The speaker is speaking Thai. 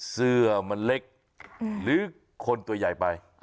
เสื้อมันเล็กหรือคนตัวใหญ่ไป